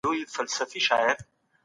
هر کال نوي او بېلابېل کتابونه چاپېږي.